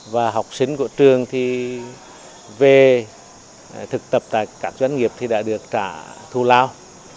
và học sinh của trường thì về thực tập tại các doanh nghiệp thì đã được trả thù lao